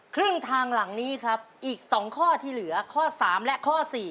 ครึ่งทางหลังนี้ครับอีก๒ข้อที่เหลือข้อ๓และข้อ๔